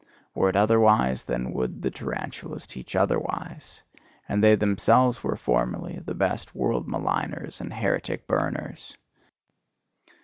Were it otherwise, then would the tarantulas teach otherwise: and they themselves were formerly the best world maligners and heretic burners.